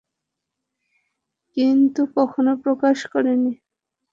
কিন্তু কখনো প্রকাশ করেনি।